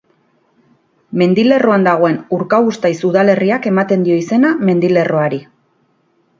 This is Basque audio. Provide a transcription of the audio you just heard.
Mendilerroan dagoen Urkabustaiz udalerriak ematen dio izena mendilerroari.